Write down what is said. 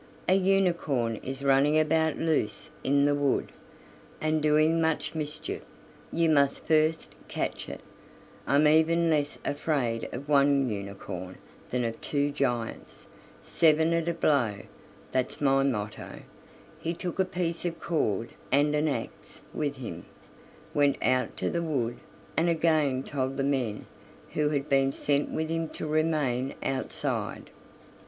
A unicorn is running about loose in the wood, and doing much mischief; you must first catch it." "I'm even less afraid of one unicorn than of two giants; seven at a blow, that's my motto." He took a piece of cord and an axe with him, went out to the wood, and again told the men who had been sent with him to remain outside.